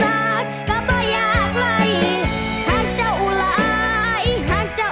หากเจ้าหลายหากเจ้าหลายได้ยินบ้าง